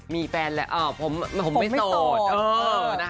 มีแฟนแล้วผมไม่โสด